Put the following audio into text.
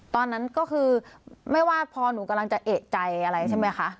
ตอนนั้นก็คือไม่ว่าพอหนูกำลังจะเอกใจอะไรใช่ไหมคะ